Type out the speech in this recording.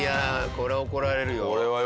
これは怒られるよ。